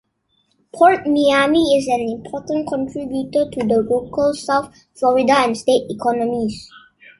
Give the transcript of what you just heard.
PortMiami is an important contributor to the local south Florida and state economies.